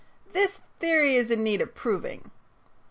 This theory is in need of proving.